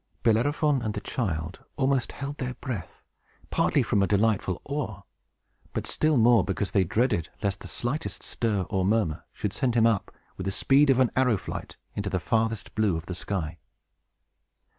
Bellerophon and the child almost held their breath, partly from a delightful awe, but still more because they dreaded lest the slightest stir or murmur should send him up, with the speed of an arrow flight, into the farthest blue of the sky.